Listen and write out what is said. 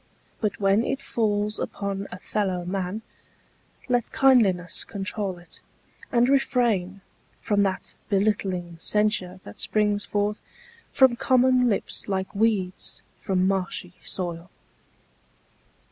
But when it falls upon a fellow man Let kindliness control it; and refrain From that belittling censure that springs forth From common lips like weeds from marshy soil.